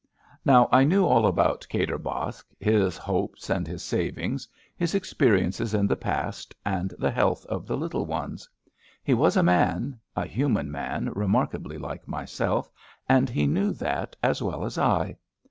Now, I knew all about Kadir Baksh, his hopes and his savings — ^his experiences in the past, and the health of the little ones. He was a man — a human man remarkably like myself, and he knew that as well as I.